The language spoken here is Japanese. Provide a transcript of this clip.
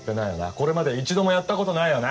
これまで一度もやった事ないよな？